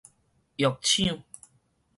藥廠